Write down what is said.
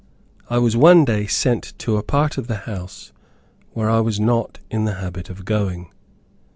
I was one day sent to a part of the house where I was not in the habit of going.